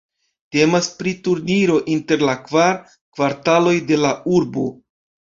Temas pri turniro inter la kvar kvartaloj de la urbo.